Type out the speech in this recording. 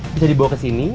bisa dibawa ke sini